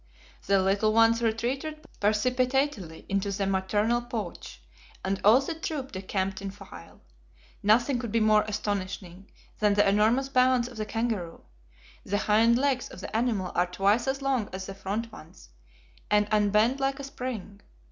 The little ones retreated precipitately into the maternal pouch, and all the troop decamped in file. Nothing could be more astonishing than the enormous bounds of the kangaroo. The hind legs of the animal are twice as long as the front ones, and unbend like a spring.